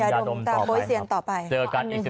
ยาดมตามโบยเซียนต่อไปครับโดมยาดมตามโบยเซียนต่อไป